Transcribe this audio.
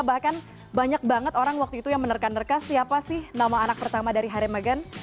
bahkan banyak banget orang waktu itu yang menerka nerka siapa sih nama anak pertama dari harry meghan